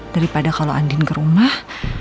daripada kalau andin ke rumah